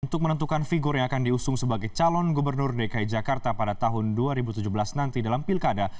untuk menentukan figur yang akan diusung sebagai calon gubernur dki jakarta pada tahun dua ribu tujuh belas nanti dalam pilkada